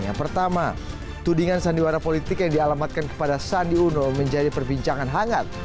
yang pertama tudingan sandiwara politik yang dialamatkan kepada sandi uno menjadi perbincangan hangat